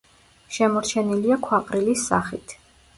შემორჩენილია ქვაყრილის სახით.